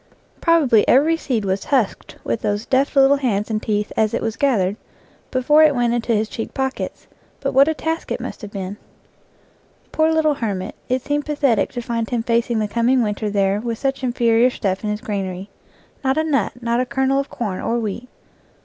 Probably every seed was husked with those deft little hands and teeth as it was gathered, before it went into his cheek pockets, but what a task it must have been! Poor little hermit, it seemed pathetic to find him facing the coming winter there with such inferior stuff in his granary. Not a nut, not a kernel of corn or wheat.